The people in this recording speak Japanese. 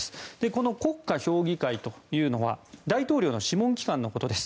この国家評議会というのは大統領の諮問機関のことです。